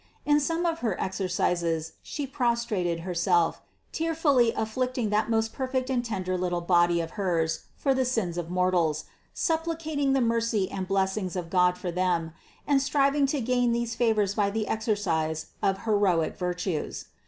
In some of her exercises She prostrated Herself, tearfully afflicting that most perfect and tender little body of hers for the sins of mortals, supplicating the mercy and blessings of God for them, and striving to gain these favors by the exercise of heroic virtues.